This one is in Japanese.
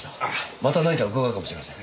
また何か伺うかもしれません。